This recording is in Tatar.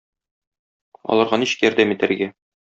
Аларга ничек ярдәм итәргә?